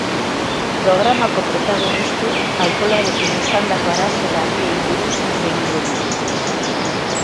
Programako protagonistek alkoholarekin izandako arazo larriei buruz hitz egingo dute.